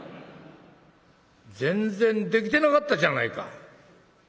全然できてなかったじゃないか」。